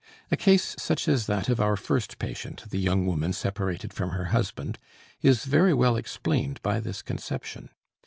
A case such as that of our first patient, the young woman separated from her husband, is very well explained by this conception.